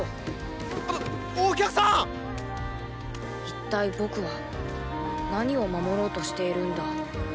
一体僕は何を守ろうとしているんだ？